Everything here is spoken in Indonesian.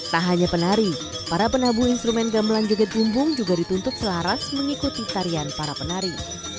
tak hanya penari para penabung instrumen gamelan joget bumbung juga dituntut selaras mengikuti tarian para penari